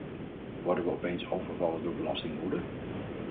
Worden we opeens overvallen door belastingwoede?